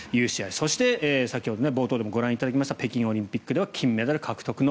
そして、先ほど冒頭でもご覧いただきました北京オリンピックでは金メダル獲得の